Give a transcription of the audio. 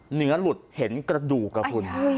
เหนือหลุดเห็นกระดูกครับคุณ